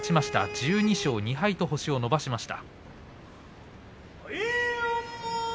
１２勝２敗と星を伸ばしました。